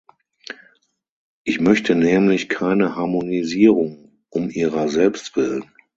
Ich möchte nämlich keine Harmonisierung um ihrer selbst willen.